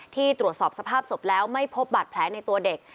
ตรวจสอบสภาพศพแล้วไม่พบบาดแผลในตัวเด็ก